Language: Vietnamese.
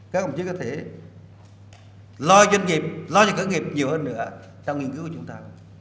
các công chức có thể lo cho doanh nghiệp lo cho khởi nghiệp nhiều hơn nữa trong nghiên cứu của chúng ta